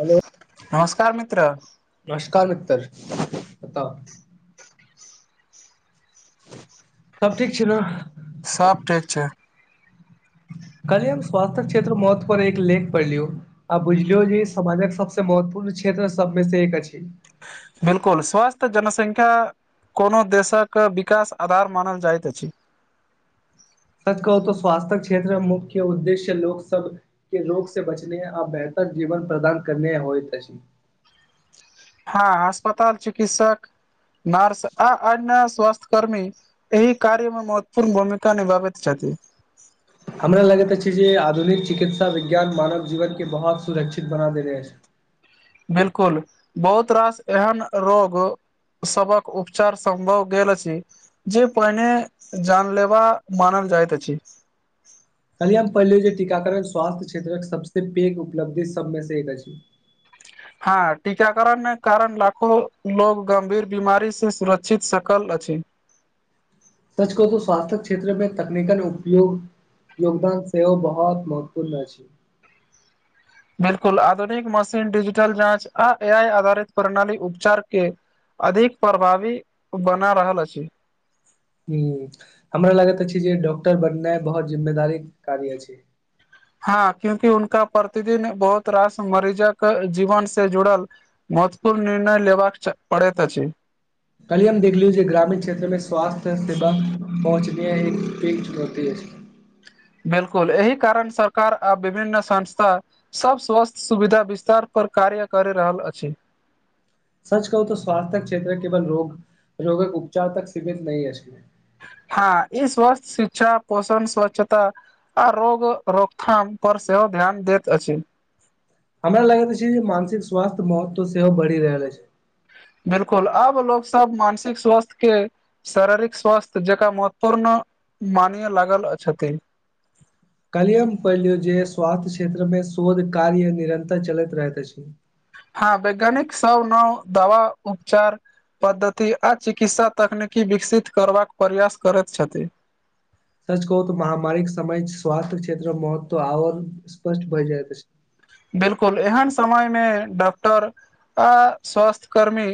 Hello नमस्कार मित्र नमस्कार मित्रर कतऽ सबब ठीक छै नऽ सब ठीक छै कल हम स्वास्थ्य क्षेत्र महत्त्व पर एक लेख पढ़लियौ आ बुझलियो जे समाजक सबसँ महत्वपूर्ण क्षेत्र सबमे से एक अछि बिलकुल स्वस्थ जनसंख्या कोनो देशक विकास आधार मानल जाइत अछि सच कहू तऽ स्वास्थ्य क्षेत्र मुख्य उद्देश्य लोक सब के रोग से बचने आ बेहतर जीवन प्रदान करने होयत अछि हँ अस्पताल चिकित्सक नर्स आ अन्य स्वास्थ कर्मी एहि कार्यमे महत्वपूर्ण भूमिका निभाबैत छथि हमरा लगैत अछि जे आधुनिक चिकित्सा विज्ञान मानव जीवनके बहुत सुरक्षित बना देने अछि बिलकुल बहुत रास एहन रोग सबक उपचार सम्भव गेल अछि जे पहिने जानलेवा मानल जाइत अछि कहलियए हम पढ़लियै जे टीकाकरण स्वास्थ्य क्षेत्रक सबसे पैघ उपलब्धि सबमे से एक अछि हँ टीकाकरण मे कारण लाखो लोग गंभीर बीमारी से सुरक्षित सकल अछि सच कहु तऽ स्वास्थ्य क्षेत्रमे तकनीकन उपयोग योगदान सेहो बहुत महत्वपूर्ण अछि बिल्कुल आधुनिक मशीन डिजिटल जाँच आ ए आइ आधारित प्रणाली उपचार के अधिक प्रभावी बना रहल अछि हूंम्म हमरा लागैत अछि जे डॉक्टर बननाइ बहुत जिम्मेदारी कार्य अछि हँ क्यूंकि उनका प्रतिदिन बहुत रास मरीजक जीवन से जुड़ल महत्वपूर्ण निर्णय लेबाक पड़ैत अछि कल्हि हम देखलिय जे ग्रामीण क्षेत्र मे स्वास्थ्य सेवा पहुँचनी एक पैघ चुनौती अछि बिलकुल एहि कारण सरकार आ विभन्न संस्था सब स्वासथ सुविधा विस्तार पर कार्य कर रहल अछि सच कहू तऽ स्वास्थ्य क्षेत्र केवल रोग रोगक उपचार तक सीमित नहि अछि हँ ई स्वस्थ शिक्षा पोषण स्वच्छता आ रोग रोकथाम पर सेहो ध्यान दैत अछि हमरा लगैत अछि जे मानसिक स्वास्थ्य महत्व सेहो बढ़ि रहल अछि बिल्कुल आब लोग सब मानसिक स्वास्थ्य के शारीरिक स्वास्थ्य जकाँ महत्वपूर्ण मानैय लागल छथिन कलियम पहिलियू जे स्वास्थ्य क्षेत्रमे शोध कार्य निरन्तर चलैत रहैत अछि हँ वैज्ञानिक सब नव दवा उपचार पद्धति आ चिकित्सा तकनीकी विकसित करबाक प्रयास करैत छथि सच कहू तऽ महामारी के समय स्वस्थ्य क्षेत्र महत्व आओर स्पष्ट भय जाइत अछि बिलकुल एहन समय मे डॉक्टर आ स्वास्थ कर्मी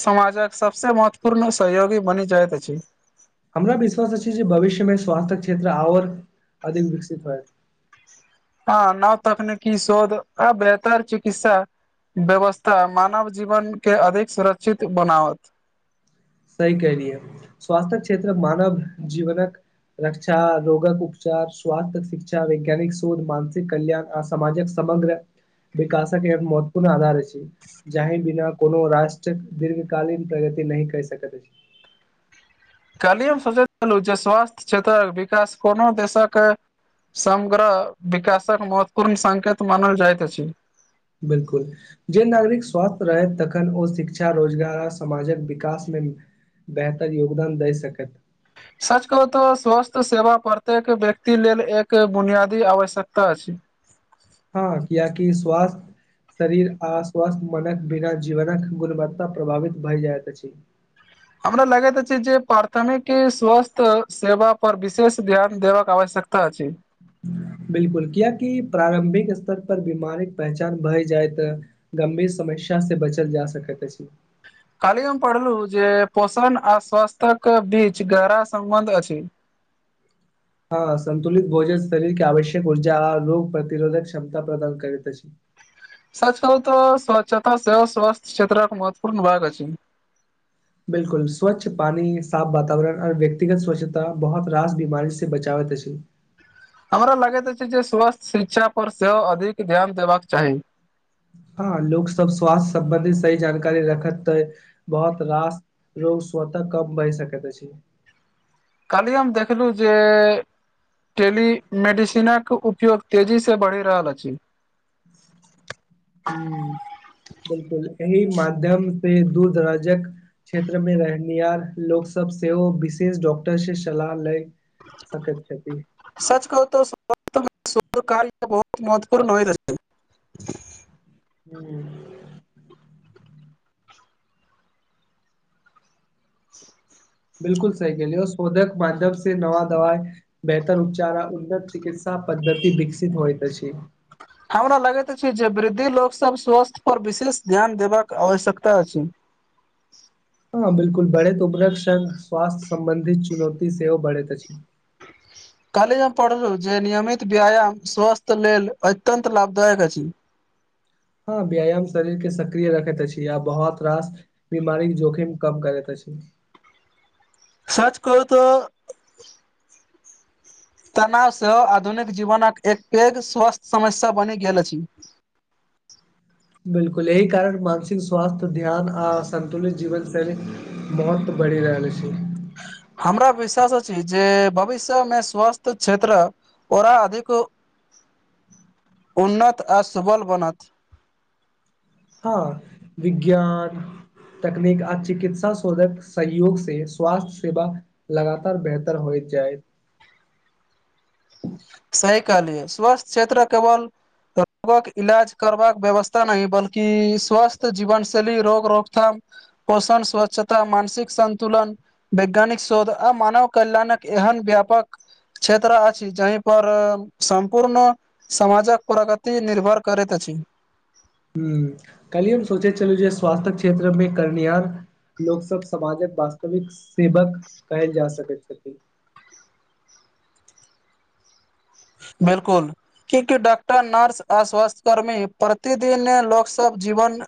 समाजक सबसे महत्वपूर्ण सहयोगी बनि जाइत अछि हमरा विश्वास अछि जे भविष्यमे स्वास्थ्य क्षेत्र आओर अधिक विकसित होएत हँ नव तकनिकी शोध ह बेहतर चिकित्सा व्यवस्था मानव जीवन के अधिक सुरक्षित बनावत सही कलियै स्वास्थ्य क्षेत्र मानव जीवनक रक्षा रोगक उपचार स्वास्थ्य शिक्षा वैज्ञानिक शोध मानसिक कल्याण आ सामाजक समग्र विकासक एक महत्वपूर्ण आधार अछि जहि बिना कोनो राष्ट्र दीर्घ कालीन प्रगति नहि कय सकैत अछि कहलियै हम सोचैत छलहुँ जे स्वास्थ्य क्षेत्रक विकास कोनो देशक समग्रह विकासक महत्वपूर्ण संकेत मानल जाइत अछि बिल्कुल जे नागरिक स्वस्थ रहैत तखन ओ शिक्षा रोजगार आ समाजक विकासमे बेहतर योगदान दए सकैत सच कहू तऽ स्वास्थ्य सेवा प्रत्येक व्यक्ति लेल एक बुनियादी आवश्यकता अछि हँ किया कि स्वास्थ शरीर आ स्वस्थ मनक बिना जीवनक गुणवत्ता प्रभावित भए जाइत अछि हमरा लगैत अछि जे प्राथमिक स्वास्थ सेवा पर विशेष ध्यान देब आवश्यकता ता अछि बिल्कुल कियाकि प्रारम्भिक स्तर पर बीमारीक पहचान भय जाय तऽ गंभीर समस्या से बचल जा सकैत अछि काल्हि हम पढ़लू जे पोषण आ स्वास्थ के बीच गहरा सम्बन्ध अछि हँ सन्तुलित भोजन शरीरके आवश्यक ऊर्जा आ रोग प्रतिरोधक क्षमता प्रदान करैत अछि सच कहु तऽ स्वच्छता से स्वास्थ्य क्षेत्र एक महत्वपूर्ण भाग अछि बिल्कुल स्वच्छ पानी साफ वातवरण आऔर व्यक्तिगत स्वच्छता बहुत रास बीमारी से बचावैत अछि हमरा लगैत अछि जे स्वास्थ्य शिक्षा पर सेहो अधिक ध्यान देबाक चाही हँ लोक सब स्वास्थ्य सम्बन्धित सही जानकारी रखत तै बहुत रास रोग स्वतः कम बहि सकैत अछि कल्हि हम देखलहु जे टेलीमेडिसीनक उपयोग तेजी से बढ़ि रहल अछि ह बिल्कुल एहि माध्यम से दूर दराजक क्षेत्र में रहनिहार लोक सब सेहो विशेष डॉक्टर से सलाह लैत सकैत छथि सच कह बहुत महत्वपूर्ण होए द ह [unintelligible] बिल्कुल सही कहलि शोधक माध्यमसँ नवा दवा बेहतर उपचार आ उन्नत चिकित्सा पद्धति विकसित होइ त अछि हमरा लगैत अछि जे वृद्धि लोग सब स्वास्थ्य पर विशेष ध्यान देबाक आवश्यकता अछि हँ बिल्कुल बढ़ैत उबरक स्वासथ्य सम्बंधित चुनौती सेहो बढ़ैत अछि काले जे हम पढ़लहुँ जे नियमित व्यायाम स्वास्थ लेल अत्यन्त लाभदायक अछि हँ व्यायाम शरीर के सक्रिय रखैत अछि आ बहुत रास बीमारी जोखीम कम करैत अछि सच कहू तऽ तनाव सेहो आधुनिक जीवनक एक पैघ स्वस्थ्य समस्या बनि गेल अछि बिल्कुल एहि कारण मानसिक स्वास्थ्य ध्यान आ संन्तुलित जीवन शैली बहुत बढ़ि रहल अछि हमरा विश्वास अछि जे भविष्यमे स्वास्थ्य क्षेत्र ओरा अधिक उन्नत आ सुबल बनत हँ विज्ञान तकनीक आ चिकित्सा शोधक सहयोग से स्वास्थ्य सेवा लगातार बेहतर होइत जाय सही कहलिय स्वास्थ क्षेत्र केवल कतऽ इलाज करबाक व्यवस्था नहि, बल्कि स्वस्थ जीवनशैली आ रोग रोकथाम। पोषण, स्वच्छता आ मानसिक सन्तुलन। वैज्ञानिक शोध आ मानव कल्याणक एहन व्यापक क्षेत्र अछि जाहिमे पर सम्पूर्ण समाजक प्रगति निर्भर करैत अछि। हँ, काल्हि हम सोचैत छलहुँ जे स्वास्थ्य क्षेत्रमे करयवला लोक सभ समाजक वास्तविक सेवक कयल जा सकैत छथि। बिल्कुल के डॉक्टर, नर्स आ स्वास्थ्यकर्मी प्रतिदिन लोकसभक जीवन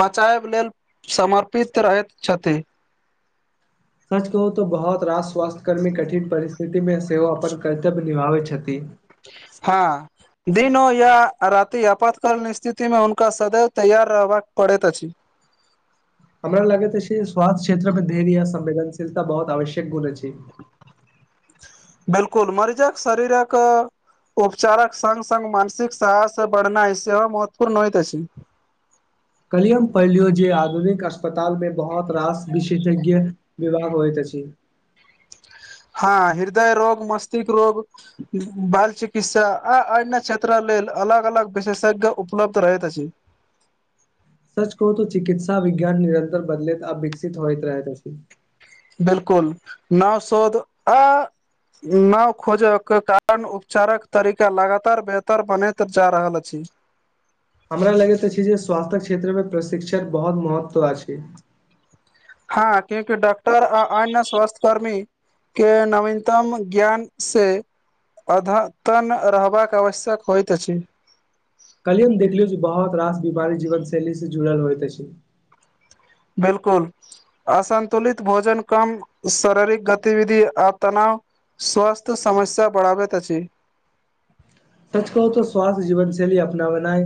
बचएब लेल समर्पित रहैत छथि। सच कहू तऽ बहुत रास स्वास्थ्यकर्मी कठिन परिस्थिति मे सेहो अपन कर्तव्य निभबैत छथि। हँ दिनो या राति आपातकालीन स्थितिमे हुनका सदैव तैयार रहबाक पड़ैत अछि। हमरा लगैत छै स्वास्थ्य क्षेत्रमे धैर्य आ संवेदनशीलता बहुत आवश्यक गुण छै। [inaudible] बिल्कुल मरीजक शरीरक उपचारक सङ्ग सङ्ग मानसिक साहस बढ़ेनाइ सेहो महत्वपूर्ण होइत अछि। कल्हि हम पढलोजे आधुनिक अस्पताल मे बहुत रास विशेषज्ञ विवाह होइ त अछी। हँ हृदय रोग मस्तिष्क रोग। बाल चिकित्सा आ अन्य क्षेत्र लेल अलग अलग विशेषज्ञ उपलब्ध रहैत छथि। सच कहू तऽ चिकित्सा विज्ञान निरन्तर बदलिकऽ विकसित होइत रहैत अछि। बिल्कुल नव सोध आ नाव खोजयके कारण उपचारक तरीका लगातार बेहतर बनैत जा रहल अछि हमरा लगैत अछि। जे स्वास्थ्य क्षेत्रमे प्रशिक्षण बहुत महत्व अछि हँ, किएक तँ डॉक्टर आ अन्य स्वास्थ्यकर्मी के नवीनतम ज्ञान से अद्यतन रहबाक आवश्यकता होइत अछि। कहलियौ ने, देखलियौ जे बहुत रास बीमारी जीवनशैलीसँ जुड़ल होइत अछि। बिल्कुल असन्तुलित भोजन, कम शारीरिक गतिविधि आ तनाव। स्वास्थ्य समस्या बढ़ाबैत अछि। सच कहू तऽ स्वासथ्य जीवन शैली अपना बनाए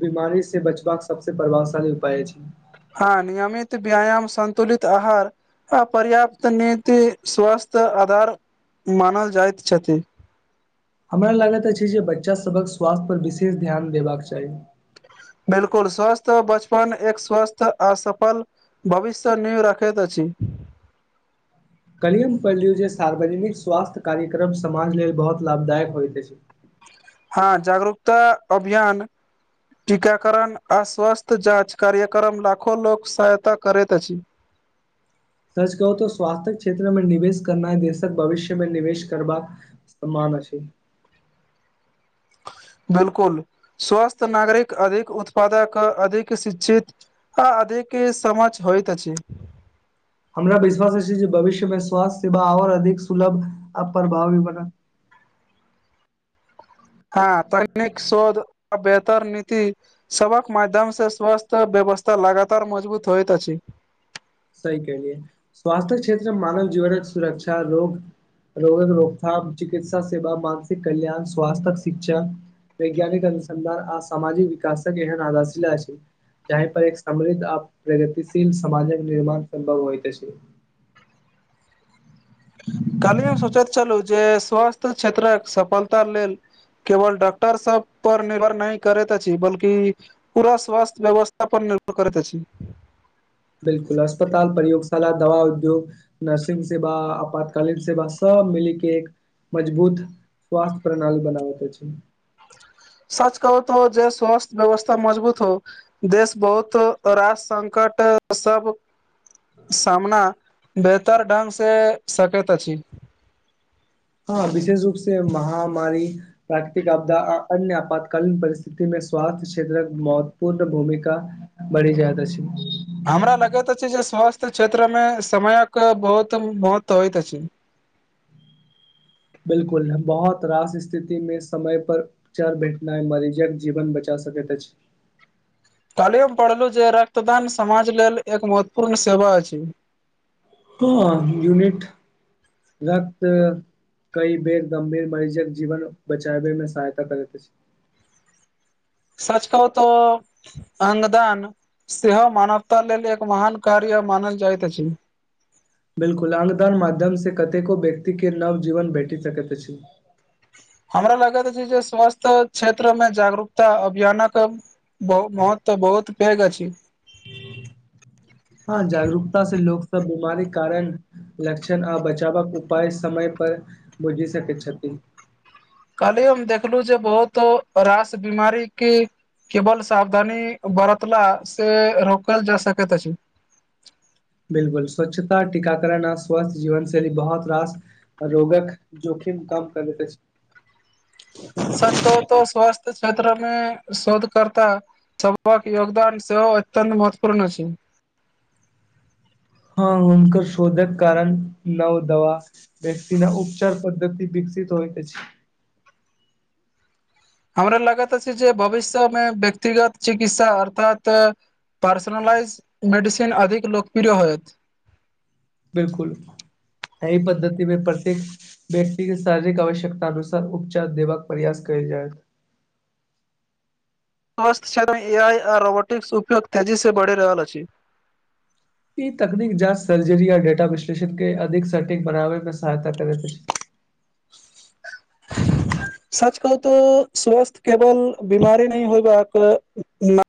बीमारीसँ बचबाक सभसँ प्रभावशाली उपाय छै। हँ नियमित व्यायाम सन्तुलित आहार अपर्याप्त नीति स्वास्थ्य आधार मानल जाइत अछि। हमरा लगैत अछि जे बच्चासभक स्वास्थ्य पर विशेष ध्यान देबाक चाही। बिल्कुल स्वस्थ बचपन एक स्वस्थ असफल भविष्य नहि राखैत अछी। काल्हि हम पहिलुए सोचैत छलहुँ जे सार्वजनिक स्वास्थ्य कार्यक्रम समाज लेल बहुत लाभदायक होइत अछि। हँ जागरूकता अभियान टीकाकरण आ स्वास्थ्य जाँच कार्यक्रम लाखो लोकके सहायता करैत अछि। स्वास्थ्य क्षेत्रमे निवेश करब देशक भविष्य मे निवेश करब अछि। सम मान छै बिल्कुल स्वस्थ नागरिक अधिक उत्पादक अधिक शिक्षित आ अधिक समझ होइत अछि। हमरा विश्वास छै जे भविष्य मे स्वास्थ्य सेवा आओर अधिक सुलभ आ प्रभावी बनत। हँ, तकनीक, शोध आ बेहतर नीति सभक माध्यमसँ स्वास्थ्य व्यवस्था लगातार मजबूत होइत अछि। सही कहलियै स्वास्थ्य क्षेत्रमे मानव जीवनक सुरक्षा रोग रोग रोकथाम, चिकित्सा सेवा, मानसिक कल्याण आ स्वास्थ्य शिक्षा। वैज्ञानिक अनुसन्धान आ सामाजिक विकासक इहन आधारसीला छै जहिअँ पर एक समृद्ध आ प्रगतिशील समाजक निर्माण सम्भव होइत अछि। कहलियै, हम सोचैत छलहुँ जे स्वास्थ्य क्षेत्रक सफलता लेल केवल डॉक्टरसभ पर निर्भर नहि करैत अछि, बल्कि पूरा स्वस्थ्य व्यवस्था पर निर्भर करैत अछि बिलकुल अस्पताल प्रयोगशाला दवा उद्योग नर्सिंग सेवा आपातकालीन सेवा सब मिलि के एक मजबूत स्वास्थ्य प्रणाली बनाबै के छै सच कहू तऽ जे स्वस्थ्य व्यवस्था मजबूत हो देश बहुत राज संकट सब सामना बेहतर ढंग से सकैत अछि हँ विशेष रूप से महामारी प्राकृतिक आपदा आ अन्य आपातकालीन परिस्थितिमे स्वास्थ्य क्षेत्रक महत्वपूर्ण भूमिका बढ़ि जायत अछि हमरा लगैत अछि जे स्वास्थ्य क्षेत्र मे समयक बहुत महत्व होइत अछि बिलकुल बहुत रास स्थिति मे समय पर उपचार भेटनाइ मरीजक जीवन बचा सकैत अछी काल्हि हम पढ़लु जे रक्तदान समाज लेल एक महत्वपूर्ण सेवा अछि हँ यूनिट रक्त कइ बेर गंभीर मरीजक जीवन बचाबे मे सहायता करैत अछि सच कहु तऽ अंगदान सेहो मानवता लेल एक महान कार्य मानल जाइत अछि बिल्कुल अंगदान माध्यमसँ कतेको व्यक्तिके नव जीवन भेटि सकैत अछि हमरा लागैत अछि जे स्वास्थ्य क्षेत्र मे जागरूकता अभियानक बहुत महत्व बहुत पैघ अछी हँ जागरूकता से लोक सब बीमारी कारण लक्षण आ बचावक उपाय समय पर बुझी सकै छथि कहली हम देखलू जे बहुत रास बीमारी के केवल सावधानी बरतला से रोकल जा सकैत अछि बिलकुल स्वच्छता टीकाकरण आ स्वस्थ जीवन शैली बहुत रास रोगक जोखिम कम करैत अछि सच कहूँ तऽ स्वास्थ्य क्षेत्र मे शोध करता सभक योगदान सेहो अत्यंत महत्वपूर्ण अछि हँ हुनकर शोधक कारण नओ दवा व्यक्ति न उपचार पद्धति विकसित होइत अछि हमरा लगत अछि जे भविष्य मे व्यक्तिगत चिकित्सा अर्थात पर्सनलाइज मेडिसीन अधिक लोकप्रिय होयत बिलकुल यही पद्धति मे प्रत्येक व्यक्ति के शारीरिक आवश्यकता अनुसार उपचार देबाक प्रयास कयल जायत स्वस्थ क्षेत्रमे ए आइ आ रोबोटिक्स उपयोग तेजीसँ बढ़ि रहल अछि ई तकनीक जाँच सर्जरी आ डेटा विश्लेषण के अधिक सेटिंग बनाबे मे सहायता करैत अछि सच कहू तऽ स्वस्थ केवल बीमारी नहि होयबाक